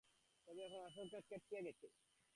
তবে এখন আশঙ্কা কেটে গেছে।